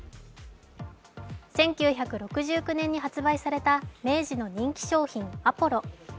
１９６９年に発売された明治の人気商品・アポロ。